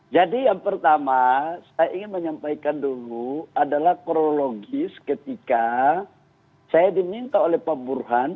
jadi yang pertama saya ingin menyampaikan dulu adalah kronologis ketika saya diminta oleh pak burhan